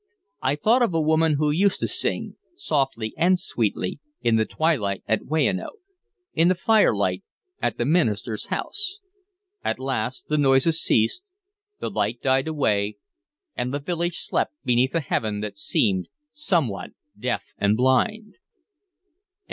I thought of a woman who used to sing, softly and sweetly, in the twilight at Weyanoke, in the firelight at the minister's house. At last the noises ceased, the light died away, and the village slept beneath a heaven that seemed somewhat deaf and blind.